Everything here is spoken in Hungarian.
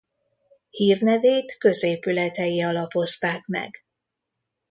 Hírnevét középületei alapozták meg.